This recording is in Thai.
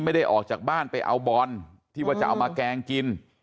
ไม่ได้ออกจากบ้านไปเอาบอลที่ว่าจะเอามาแกงกิน